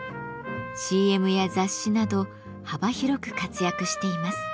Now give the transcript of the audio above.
ＣＭや雑誌など幅広く活躍しています。